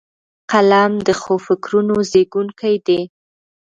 قلم د ښو فکرونو زیږوونکی دی